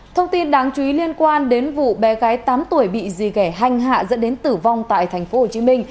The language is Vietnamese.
thông tin đáng chú ý liên quan đến vụ bé gái tám tuổi bị dì ghẻ hanh hạ dẫn đến tử vong tại tp hcm